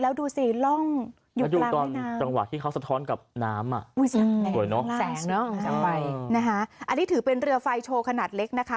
แล้วดูสิร่องอยู่กลางด้านน้ำอันนี้ถือเป็นเรือไฟโชว์ขนาดเล็กนะคะ